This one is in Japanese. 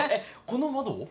この窓を？